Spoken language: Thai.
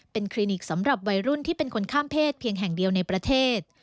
เป็นคลินิกสำหรับวัยรุ่นที่เป็นคนข้ามเพศเพียงแห่งเดียวในประเทศ